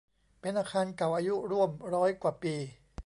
เป็นอาคารเก่าอายุร่วมร้อยกว่าปี